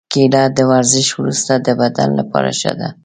کېله د ورزش وروسته د بدن لپاره ښه ده.